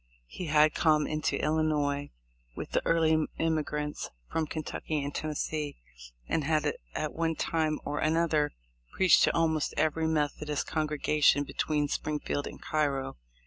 He had come into Illinois with the early immigrants from Kentucky and Tennessee, and had at one time or another preached to almost every Methodist con gregation between Springfield and Cairo.